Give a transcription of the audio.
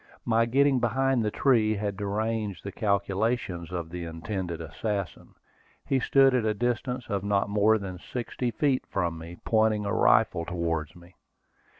My getting behind the tree had deranged the calculations of the intended assassin. He stood at a distance of not more than sixty feet from me, pointing a rifle towards me.